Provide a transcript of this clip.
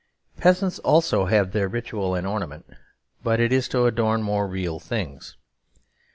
Peasants also have their ritual and ornament, but it is to adorn more real things.